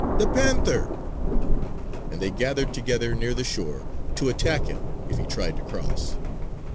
The Panther!" and they gathered together near the shore to attack him if he tried to cross.